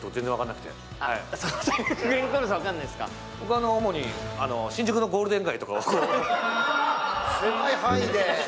僕は主に新宿のゴールデン街とかで。狭い範囲で。